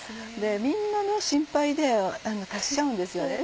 みんな心配で足しちゃうんですよね。